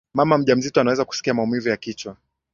mama mjamzito anaweza kusikia maumivu ya kichwa